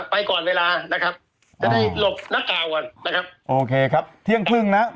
ไปก่อนเวลานะครับจะได้หลบหน้ากากก่อนนะครับโอเคครับเที่ยงครึ่งนะ